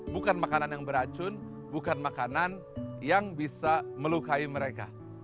bukan makanan yang beracun bukan makanan yang bisa melukai mereka